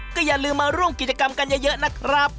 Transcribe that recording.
ก็อย่าลืมมาร่วมกิจกรรมกันเยอะนะครับ